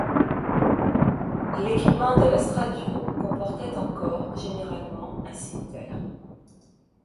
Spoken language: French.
L’équipement de l’estradiot comportait encore, généralement, un cimeterre.